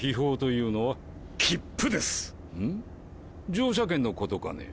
乗車券のことかね？